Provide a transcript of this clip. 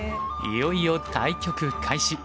いよいよ対局開始！